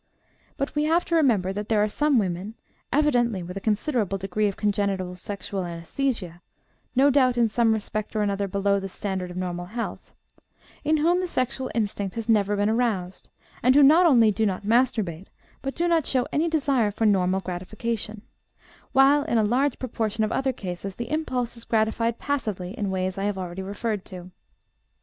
But we have to remember that there are some women, evidently with a considerable degree of congenital sexual anæsthesia (no doubt, in some respect or another below the standard of normal health), in whom the sexual instinct has never been aroused, and who not only do not masturbate, but do not show any desire for normal gratification; while in a large proportion of other cases the impulse is gratified passively in ways I have already referred to.